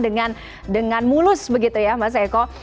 dengan mulus begitu ya mas eko